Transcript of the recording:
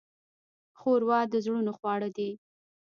ښوروا د زړونو خواړه دي.